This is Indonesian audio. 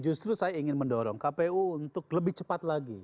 justru saya ingin mendorong kpu untuk lebih cepat lagi